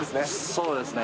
そうですね。